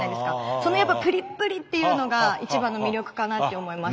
そのやっぱ「ぷりっぷり」っていうのが一番の魅力かなって思います